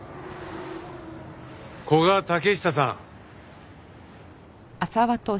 古賀武久さん。